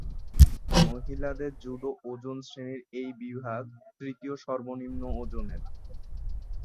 মহিলাদের জুডো ওজন শ্রেণীর এই বিভাগ তৃতীয় সর্বনিম্ন ওজনের।